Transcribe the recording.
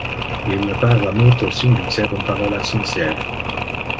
Ille parla multo sin dicer un parola sincer.